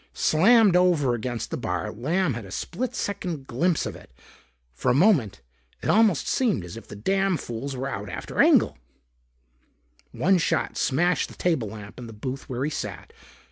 Slammed over against the bar, Lamb had a split second glimpse of it. For a moment, it almost seemed as if the damn fools were out after Engel. One shot smashed the table lamp in the booth where he sat.